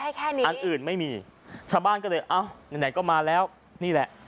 เหลือ๒ใดอันนี้เท่านั้น